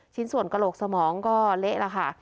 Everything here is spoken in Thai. ชิ้นส่วนกระโหลกสมองก็เละแล้วค่ะ